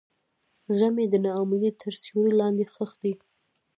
زړه مې د ناامیدۍ تر سیوري لاندې ښخ دی.